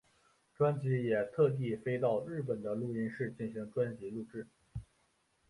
专辑也特地飞到日本的录音室进行专辑录制。